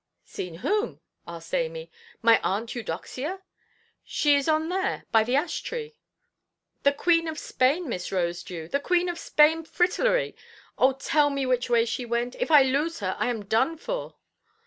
"Seen whom?" asked Amy, "my Aunt Eudoxia? She is on there, by the ash–tree." "The Queen of Spain, Miss Rosedew, the Queen of Spain fritillary! Oh, tell me which way she went! If I lose her, I am done for!"